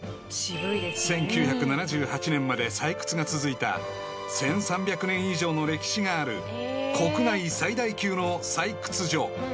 ［１９７８年まで採掘が続いた１，３００年以上の歴史がある国内最大級の採掘所］